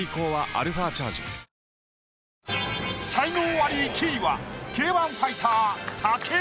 アリ１位はＫ−１ファイター武尊！